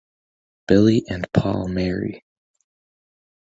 Billie and Paul marry.